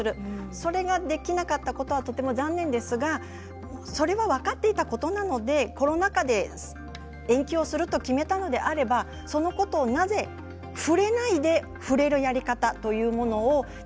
それができなかったことはとても残念ですがそれは分かっていたことなのでコロナ禍で延期をすると決めたのであれば、そのことをなぜ触れないで触れるやり方というものをできなかったのかな。